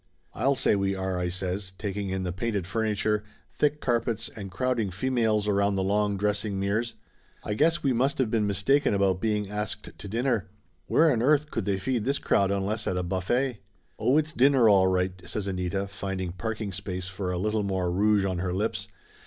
"I'll say we are !" I says, taking in the painted fur niture, thick carpets and crowding females around the long dressing mirrors. "I guess we must of been mis taken about being asked to dinner. Where on earth could they feed this crowd unless at a buffet?" "Oh, it's dinner, all right !" says Anita, finding park ing space for a little more rouge on her lips.